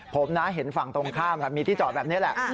ผมนะเห็นฝั่งตรงข้ามมีที่จอดแบบนี้แหละ